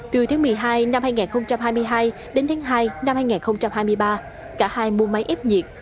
từ tháng một mươi hai năm hai nghìn hai mươi hai đến tháng hai năm hai nghìn hai mươi ba cả hai mua máy ép nhiệt